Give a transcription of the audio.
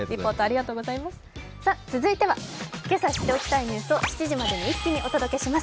続いてはけさ知っておきたいニュースを７時までにまとめてお届けします